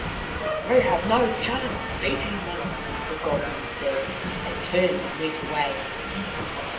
" We have no chance of beating them," the goblins said. They turned and went away.